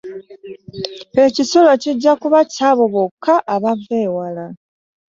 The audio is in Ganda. Ekisulo kijja kuba ky'abo bokka abava ewala.